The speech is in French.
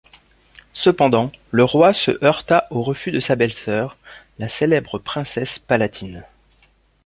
Cependant, le roi se heurta au refus de sa belle-sœur, la célèbre princesse Palatine.